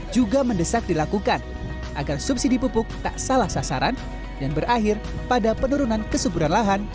juga mendesak dilakukan agar subsidi pupuk tak salah sasaran dan berakhir pada penurunan kesuburan lahan